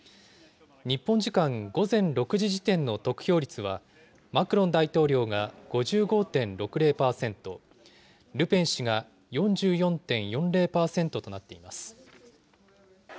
日本時間午前６時時点の得票率はマクロン大統領が５５．６０％、ルペン氏が４４．４０％となっています。